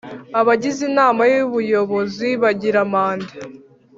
Abagize inama y Ubuyobozi bagira manda